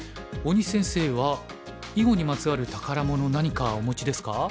大西先生は囲碁にまつわる宝物何かお持ちですか？